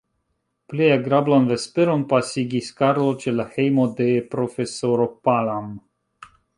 Plej agrablan vesperon pasigis Karlo ĉe la hejmo de profesoro Palam.